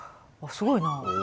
あっすごいな。